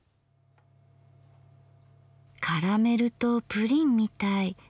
カラメルとプリンみたい。